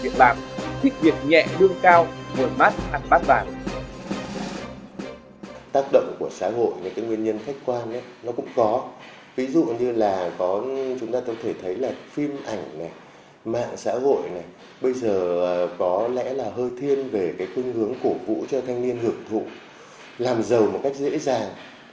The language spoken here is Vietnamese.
tác động của xã hội những nguyên nhân khách quan cũng có ví dụ như là chúng ta có thể thấy là phim ảnh mạng xã hội bây giờ có lẽ là hơi thiên về cung hướng cổ vũ cho thanh niên hưởng thụ làm giàu một cách dễ dàng